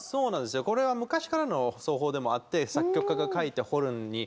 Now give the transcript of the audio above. これは昔からの奏法でもあって作曲家が書いてホルンに。